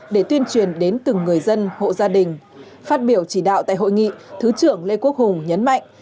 để tuyên truyền đến từng người dân hộ gia đình phát biểu chỉ đạo tại hội nghị thứ trưởng lê quốc hùng nhấn mạnh